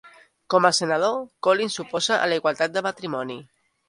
Com a senador, Collins s'oposa a la igualtat de matrimoni.